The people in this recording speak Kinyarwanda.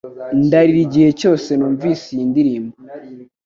Ndarira igihe cyose numvise iyi ndirimbo